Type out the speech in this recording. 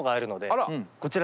あら！